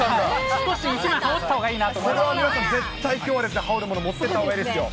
少し１枚羽織ったほうがいいこれは皆さん、絶対羽織るもの持っていったほうがいいですよ。